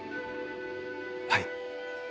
はい。